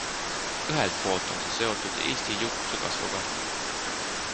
Ühelt poolt on see seotud Eesti jõukuse kasvuga.